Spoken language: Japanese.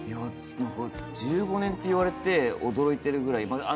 １５年と言われて驚いているぐらい。